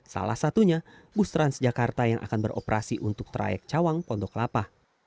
salah satunya bus trans jakarta yang akan beroperasi untuk trayek cawang pondok kelapa